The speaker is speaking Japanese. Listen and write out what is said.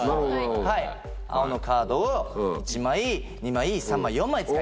はい青のカードを１枚２枚３枚４枚使います。